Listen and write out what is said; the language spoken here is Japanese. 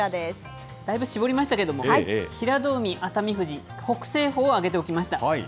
だいぶ絞りましたけれども、平戸海、熱海富士、北青鵬を挙げておきました。